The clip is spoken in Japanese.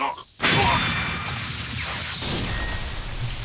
うわっ！